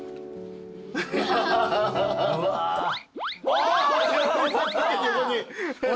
あっ！